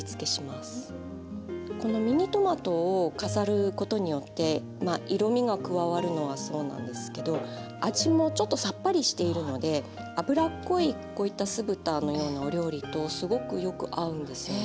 このミニトマトを飾ることによってまあ色みが加わるのはそうなんですけど味もちょっとさっぱりしているので脂っこいこういった酢豚のようなお料理とすごくよく合うんですよね。